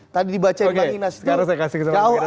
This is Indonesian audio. tadi dibacain pak inas itu